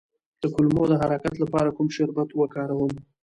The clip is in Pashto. د کولمو د حرکت لپاره کوم شربت وکاروم؟